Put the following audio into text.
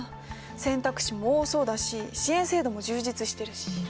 選択肢も多そうだし支援制度も充実してるし。